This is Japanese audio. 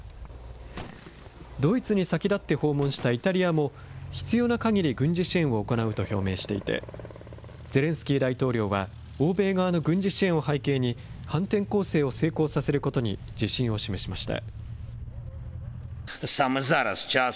ドイツに先立って訪問したイタリアも、必要なかぎり軍事支援を行うと表明していて、ゼレンスキー大統領は欧米側の軍事支援を背景に、反転攻勢を成功させることに自信を示しました。